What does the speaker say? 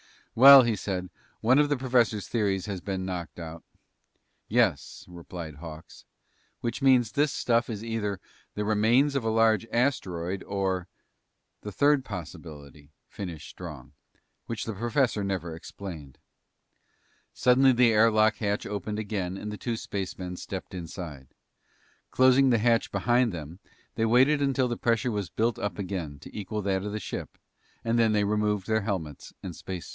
"Well," he said, "one of the professor's theories has been knocked out." "Yes," replied Hawks. "Which means this stuff is either the remains of a large asteroid or " "The third possibility," finished Strong, "which the professor never explained." Suddenly the air lock hatch opened again and the two spacemen stepped inside. Closing the hatch behind them, they waited until the pressure was built up again to equal that of the ship, and then they removed their helmets and space suits.